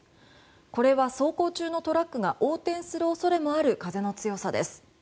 これは走行中のトラックが横転する恐れもある風の強さです。